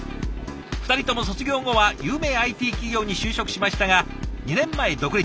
２人とも卒業後は有名ＩＴ企業に就職しましたが２年前独立。